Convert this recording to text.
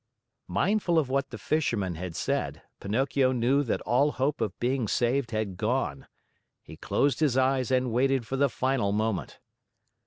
Mindful of what the Fisherman had said, Pinocchio knew that all hope of being saved had gone. He closed his eyes and waited for the final moment.